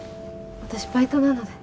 私バイトなので。